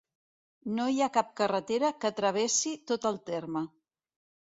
No hi ha cap carretera que travessi tot el terme.